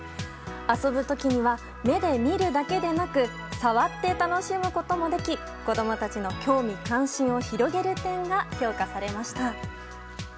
遊ぶ時には目で見るだけでなく触って楽しむこともでき子供たちの興味・関心を広げる点が評価されました。